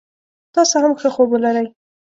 تاسو هم ښه خوب ولری